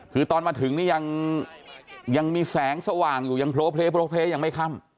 คือตอนมาถึงนี่ยังมีแสงสว่างอยู่ยังโพลเพลยังไม่ค่ำ